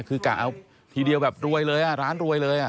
คือกะเอาทีเดียวแบบรวยเลยร้านรวยเลย